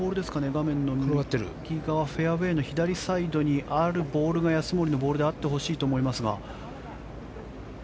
画面の右側フェアウェーの左サイドにあるボールが安森のボールであってほしいと思いますが。